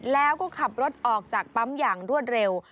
แล้วก็ขับรถออกจากปั๊มอย่างรวดเร็ว